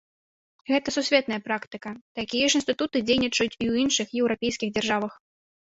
Гэта сусветная практыка, такія ж інстытуты дзейнічаюць у іншых еўрапейскіх дзяржавах.